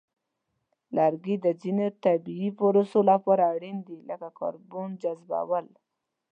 لرګي د ځینو طبیعی پروسو لپاره اړین دي، لکه کاربن جذبول.